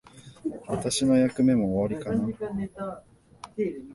私の役目も終わりかな。